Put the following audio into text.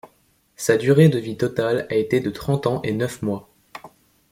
Sa durée de vie totale a été de trente ans et neuf mois.